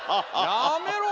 やめろ。